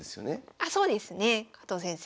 あそうですね。加藤先生